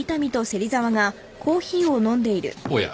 おや。